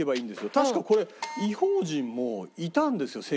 確かこれ『異邦人』もいたんですよ